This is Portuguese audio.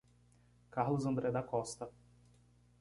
Carlos André da Costa